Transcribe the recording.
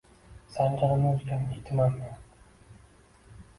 Zanjirini uzgan itman men